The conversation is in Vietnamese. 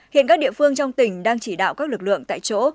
hiện các địa phương trong tỉnh đang chỉ đạo các lực lượng tại chỗ